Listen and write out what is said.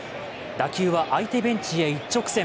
打球は相手ベンチへ一直線。